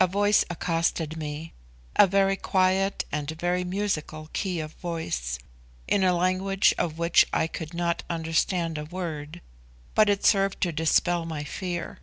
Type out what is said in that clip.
A voice accosted me a very quiet and very musical key of voice in a language of which I could not understand a word, but it served to dispel my fear.